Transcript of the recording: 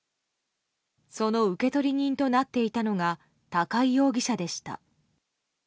その受取人となっていたのが高井容疑者でした。